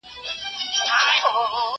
زه به اوږده موده د يادښتونه بشپړ کړم!؟